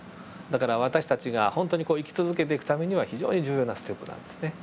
だから私たちが本当に生き続けていくためには非常に重要なステップなんですね